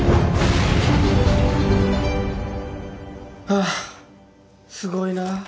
ああすごいなぁ。